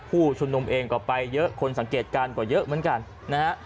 ผู้ชุมนุมเองก็ไปเยอะคนสังเกตการณ์ก็เยอะเหมือนกันนะฮะ